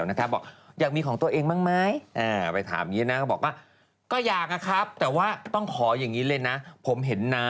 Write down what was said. แล้วเธอเคยทำผู้หญิงบ้างไงนะ